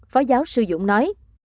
phó giáo sư dũng nói